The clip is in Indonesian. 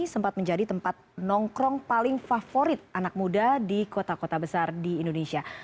sempat menjadi tempat nongkrong paling favorit anak muda di kota kota besar di indonesia